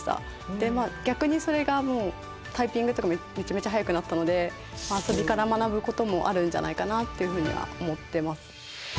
でまあ逆にそれがもうタイピングとかめちゃめちゃ速くなったので遊びから学ぶこともあるんじゃないかなっていうふうには思ってます。